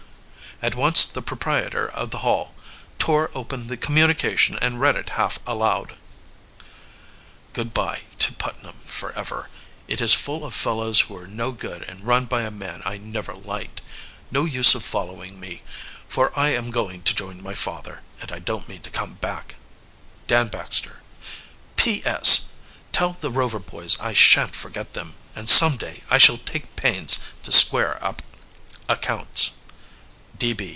At once the proprietor of the Hall tore open the communication and read it half aloud: "Good by to Putnam Hall forever. It is full of fellows who are no good and run by a man I never liked. No use of following me, for I am going to join my father, and I don't mean to come back. "DAN BAXTER "P. S. Tell the Rover boys I shan't forget them, and some day I shall take pains to square accounts.